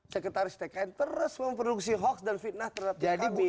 ceketaris tkn terus memproduksi hoax dan fitnah terhadap kami